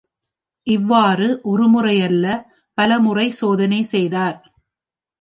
இவ்வாறு ஒரு முறையல்ல பலமுறை சோதனை செய்தார்!